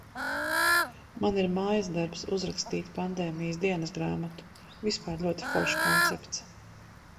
Man ir mājasdarbs uzrakstīt pandēmijas dienasgrāmatu. Vispār ļoti foršs koncepts.